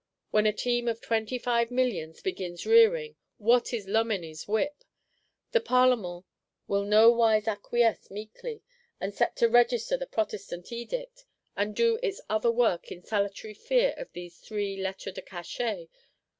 When a team of Twenty five Millions begins rearing, what is Loménie's whip? The Parlement will nowise acquiesce meekly; and set to register the Protestant Edict, and do its other work, in salutary fear of these three Lettres de Cachet.